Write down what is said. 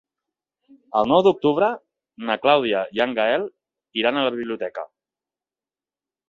El nou d'octubre na Clàudia i en Gaël iran a la biblioteca.